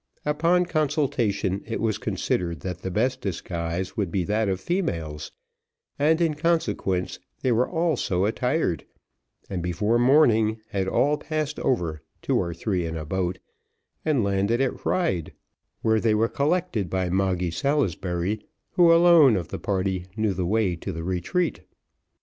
Upon consultation, it was considered that the best disguise would be that of females; and, in consequence, they were all so attired, and before morning had all passed over, two or three in a boat, and landed at Ryde, where they were collected by Moggy Salisbury, who alone, of the party, knew the way to the retreat.